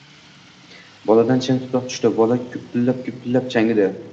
Boladan chang-tuproq tushdi. Bola... gupillab-gupillab changidi!